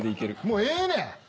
もうええねん。